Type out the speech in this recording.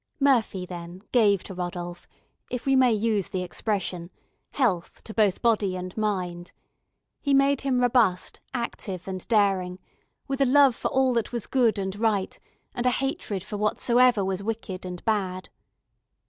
Murphy, then, gave to Rodolph, if we may use the expression, health to both body and mind; he made him robust, active, and daring, with a love for all that was good and right, and a hatred for whatsoever was wicked and bad.